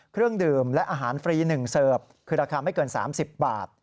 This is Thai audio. เครื่องดื่มและอาหารฟรี๑เสิร์ฟคือราคาไม่เกิน๓๐บาท